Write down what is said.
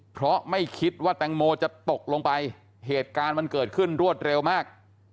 เพราะไม่คิดว่าแตงโมจะตกลงไปเหตุการณ์มันเกิดขึ้นรวดเร็วมาก